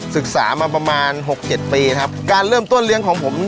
ศึกษามาประมาณหกเจ็ดปีนะครับการเริ่มต้นเลี้ยงของผม